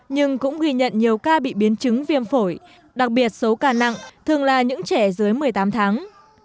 nhưng cũng ghi nhận nhiều ca bị biến chứng viêm phổi đặc biệt số ca nặng thường là những trẻ dưới một mươi tám tháng